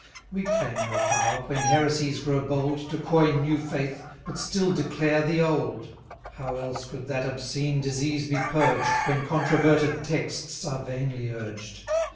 We claim no power, when heresies grow bold, To coin new faith, but still declare the old. How else could that obscene disease be purged, When controverted texts are vainly urged?